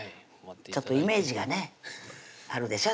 ちょっとイメージがねあるでしょ